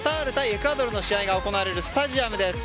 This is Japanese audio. エクアドルの試合が行われるスタジアムです。